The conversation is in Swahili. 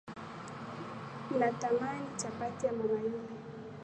Natamani chapati ya mama yule